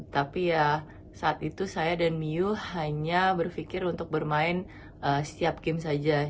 tapi ya saat itu saya dan miu hanya berpikir untuk bermain setiap game saja